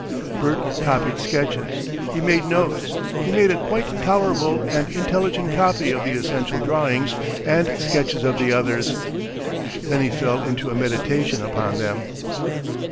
Bert copied sketches, he made notes, he made a quite tolerable and intelligent copy of the essential drawings and sketches of the others. Then he fell into a meditation upon them.